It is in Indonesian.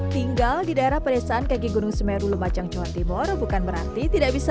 tinggal di daerah pedesaan kg gunung semeru lumacang cuan timur bukan berarti tidak bisa